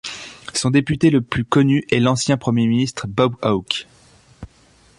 Son député le plus connu est l'ancien premier ministre Bob Hawke.